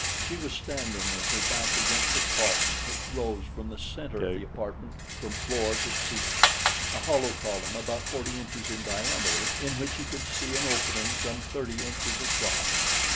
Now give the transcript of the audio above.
She was standing with her back against a column which rose from the center of the apartment from floor to ceiling a hollow column about forty inches in diameter in which he could see an opening some thirty inches across.